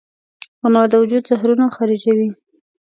انار د وجود زهرونه خارجوي.